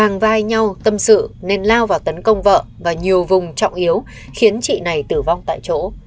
chàng vai nhau tâm sự nên lao vào tấn công vợ và nhiều vùng trọng yếu khiến chị này tử vong tại chỗ